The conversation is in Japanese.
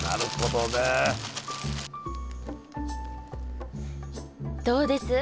どうです？